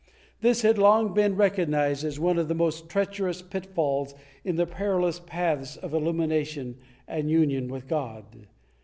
This had long been recognized as one of the most treacherous pitfalls in the perilous paths of illumination and union with God.